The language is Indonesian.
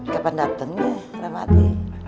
kapan datengnya ramadi